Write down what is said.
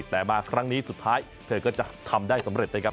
แต่มาครั้งนี้สุดท้ายเธอก็จะทำได้สำเร็จนะครับ